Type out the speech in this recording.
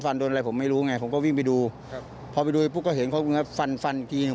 โดนอะไรผมไม่รู้ไงผมก็วิ่งไปดูครับพอไปดูปุ๊บก็เห็นเขาฟันฟันอีกทีหนึ่ง